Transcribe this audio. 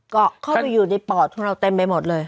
เข้าไปอยู่ในปอดของเราเต็มไปหมดเลย